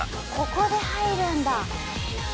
ここで入るんだ。